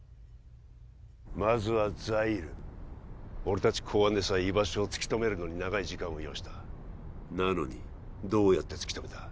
まずはザイール俺達公安でさえ居場所を突き止めるのに長い時間を要したなのにどうやって突き止めた？